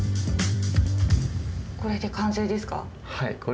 これで完成ですか？